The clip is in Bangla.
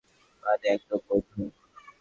মানে, একদম বন্ধ।